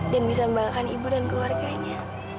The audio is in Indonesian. dan bisa membahagikan ibu dan keluarganya